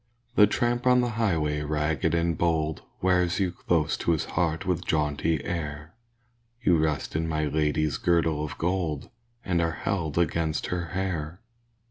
The tramp on the highway ragged and bold Wears you close to his heart with jaunty air; You rest in my lady's girdle of gold, And are held against her hair.